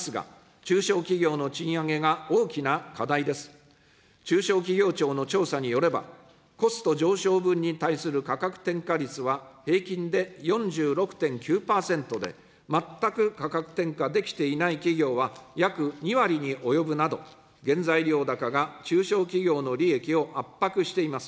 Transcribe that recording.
中小企業庁の調査によれば、コスト上昇分に対する価格転嫁率は、平均で４６．９％で、全く価格転嫁できていない企業は約２割に及ぶなど、原材料高が中小企業の利益を圧迫しています。